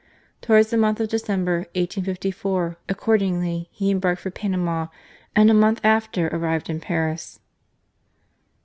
Towards the month of December, 1854, accordingly he embarked for Panama and a month after arrived in Paris.